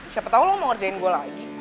siapa tau lo mau ngerjain gue lagi